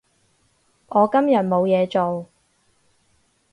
我今日冇咩嘢做